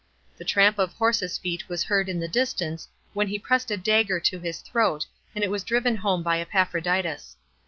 The tramp of horses' feet was heard in the distance, when he pressed a dagger to his throat, and it was driven home by Epaphroditus.